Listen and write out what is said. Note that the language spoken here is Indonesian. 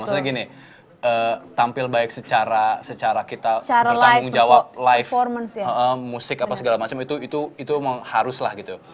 maksudnya gini tampil baik secara kita bertanggung jawab live musik apa segala macam itu haruslah gitu